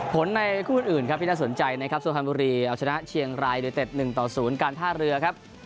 ในคู่อื่นครับที่น่าสนใจนะครับสุพรรณบุรีเอาชนะเชียงรายยูนิเต็ด๑ต่อ๐การท่าเรือครับ